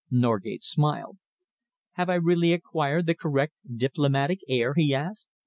Norgate smiled. "Have I really acquired the correct diplomatic air?" he asked.